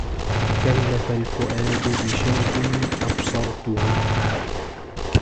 كلف الفؤاد بشادن أبصرته